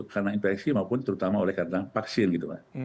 karena infeksi maupun terutama karena vaksin gitu pak